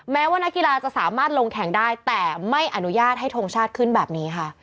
แม้ว่านักกีฬาจะสามารถลงแข่งได้แต่ไม่อนุญาตให้ทงชาติขึ้นแบบนี้ค่ะ